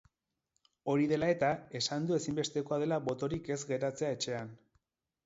Hori dela eta, esan du ezinbestekoa dela botorik ez geratzea etxean.